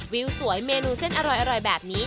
วิวสวยเมนูเส้นอร่อยแบบนี้